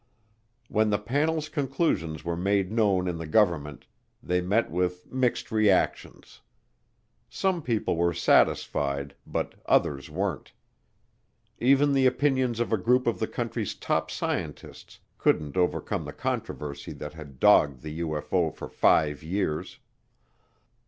When the panel's conclusions were made known in the government, they met with mixed reactions. Some people were satisfied, but others weren't. Even the opinions of a group of the country's top scientists couldn't overcome the controversy that had dogged the UFO for five years.